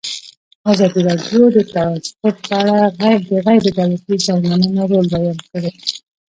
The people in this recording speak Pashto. ازادي راډیو د ترانسپورټ په اړه د غیر دولتي سازمانونو رول بیان کړی.